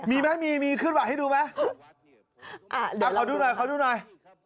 มีไหมมีขึ้นมาให้ดูไหมขอดูหน่อย